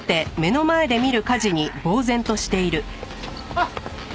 あっ！